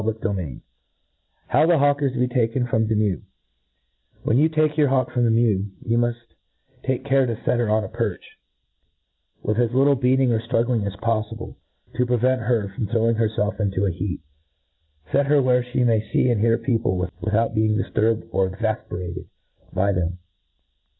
Bow the Hawk is to be taken from the Mew^ WHEN you take your hawk from the mew, you inuft take care to fet her on a perch, with as lit tle beating or ftruggliog as poflible, to prevent her Ihrowing h^erfiplf mto a heat. Set her where flic may fee and hear people, without being difturb ed or e^afperated by them.